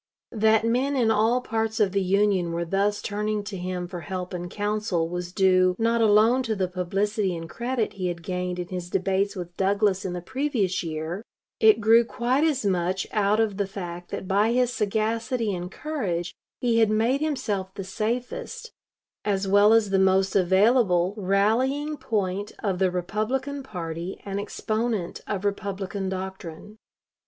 That men in all parts of the Union were thus turning to him for help and counsel was due, not alone to the publicity and credit he had gained in his debates with Douglas in the previous year; it grew quite as much out of the fact that by his sagacity and courage he had made himself the safest, as well as the most available, rallying point of the Republican party and exponent of Republican doctrine.